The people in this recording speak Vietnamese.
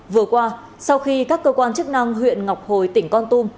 vừa qua sau khi các cơ quan chức năng huyện ngọc hồi tỉnh con tum